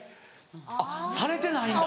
あっされてないんだ。